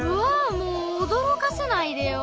もう驚かせないでよ。